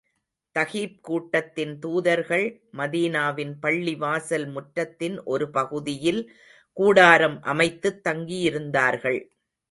தகீப் கூட்டத்தின் தூதர்கள், மதீனாவின் பள்ளிவாசல் முற்றத்தின் ஒரு பகுதியில் கூடாரம் அமைத்துத் தங்கியிருந்தார்கள்.